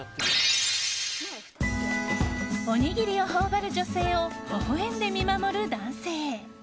おにぎりを頬張る女性をほほ笑んで見守る男性。